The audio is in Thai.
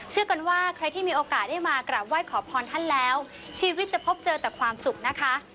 กันว่าใครที่มีโอกาสได้มากราบไหว้ขอพรท่านแล้วชีวิตจะพบเจอแต่ความสุขนะคะ